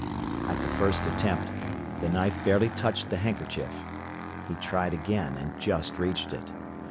At the first attempt the knife barely touched the handkerchief. He tried again, and just reached it.